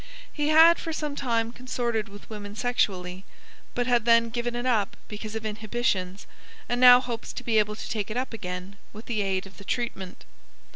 He had for some time consorted with women sexually, but had then given it up because of inhibitions and now hopes to be able to take it up again with the aid of the treatment.